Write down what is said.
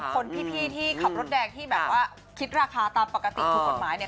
คนพี่ที่ขับรถแดงที่แบบว่าคิดราคาตามปกติถูกกฎหมายเนี่ย